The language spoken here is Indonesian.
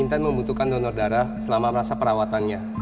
intan membutuhkan donor darah selama perawatannya